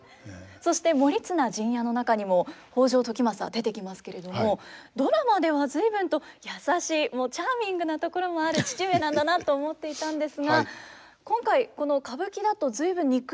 そして「盛綱陣屋」の中にも北条時政出てきますけれどもドラマでは随分と優しいチャーミングなところもある父上なんだなと思っていたんですが今回この歌舞伎だと随分憎々しい感じですね。